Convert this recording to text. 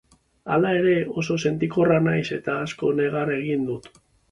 Hala ere, oso sentikorra naiz eta asko negar egiten dut.